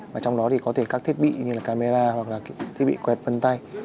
và trong đó thì có thể các thiết bị như là camera hoặc là thiết bị quẹt vân tay